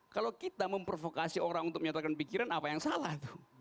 kalau kita memprovokasi orang untuk menyatakan pikiran apa yang salah